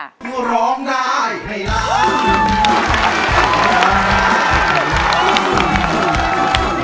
ร้องได้ให้รัก